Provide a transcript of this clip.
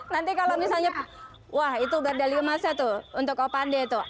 nanti kalau misalnya wah itu berdali emasnya tuh untuk opande tuh